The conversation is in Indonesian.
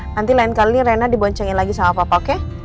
nanti lain kali rena diboncengin lagi sama papa kek